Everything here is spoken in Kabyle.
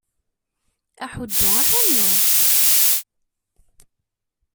Aḥuddu, aḥunnu!